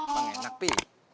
pengek enak pi